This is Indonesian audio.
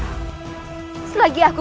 tepaskan nyi iroh